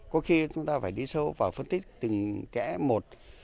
có khi chúng ta phải đi sâu và phân tích từng kẻ một